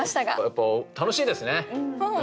やっぱ楽しいですね。